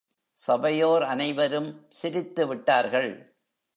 சபையோர் அனைவரும் சிரித்துவிட்டார்கள்.